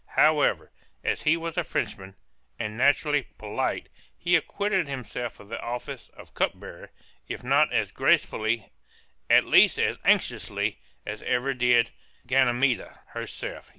However, as he was a Frenchman, and naturally polite, he acquitted himself of the office of cup bearer, if not as gracefully, at least as anxiously, as ever did Ganymede herself.